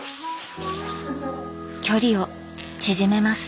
距離を縮めます。